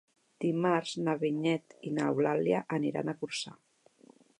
Dimarts na Vinyet i n'Eulàlia aniran a Corçà.